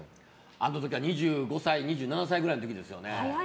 あの時は２５歳か２７歳ぐらいの時ですね。